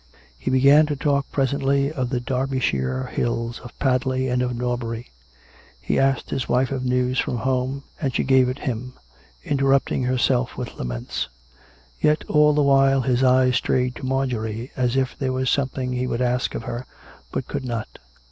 He began to talk presently of the Derbyshire hills — of Padley and of Norbury. He asked his wife of news from home, and she gave it him, interrupting herself with la ments. Yet all the while his eyes strayed to Marjorie as if there was something he would ask of her, but could not.